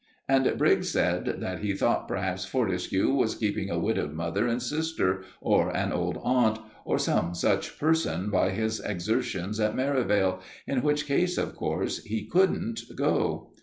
And Briggs said that he thought perhaps Fortescue was keeping a widowed mother and sisters, or an old aunt, or some such person by his exertions at Merivale, in which case, of course, he couldn't go.